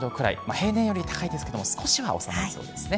平年より高いですけども、少しは収まりそうですね。